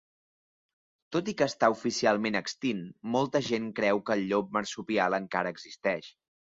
Tot i que està oficialment extint, molta gent creu que el llop marsupial encara existeix.